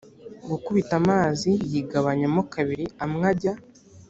gukubita amazi yigabanyamo kabiri amwe ajya